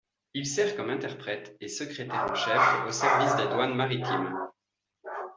Il sert comme interprète et secrétaire en chef au service des douanes maritimes.